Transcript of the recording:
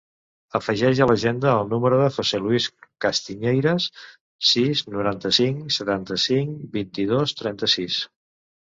Afegeix a l'agenda el número del José luis Castiñeiras: sis, noranta-cinc, setanta-cinc, vint-i-dos, trenta-sis.